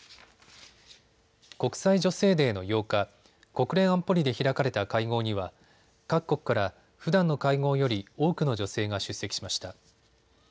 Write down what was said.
国際女性デーの８日、国連安保理で開かれた会合には各国からふだんの会合より多くの女性が出席しました。